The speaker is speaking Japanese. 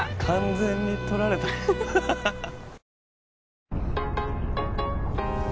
完全に取られたハハハ